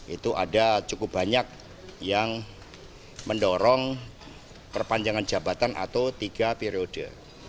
itu ada cukup banyak yang mendorong perpanjangan jabatan atau tiga periode